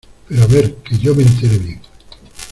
pero a ver, que yo me entere bien.